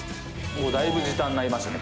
「もうだいぶ時短になりましたね